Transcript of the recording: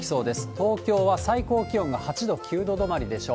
東京は最高気温が８度、９度止まりでしょう。